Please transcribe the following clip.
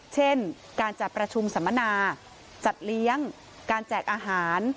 เช่นการจัดประชุมสัมมนาจัดเลี้ยงการแจกอาหาร